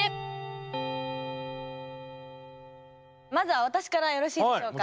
まずは私からよろしいでしょうか？